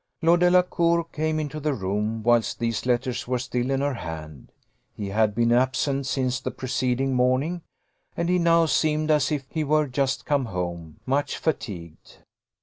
Lord Delacour came into the room whilst these letters were still in her hand. He had been absent since the preceding morning, and he now seemed as if he were just come home, much fatigued.